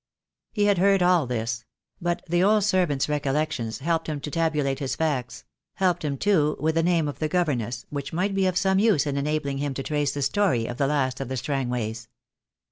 He had heard all this: but the old servant's recollections helped him to tabulate his facts — helped him, too, with the name of the governess, which might be of some use in enabling him to trace the story of the last of the Strangways.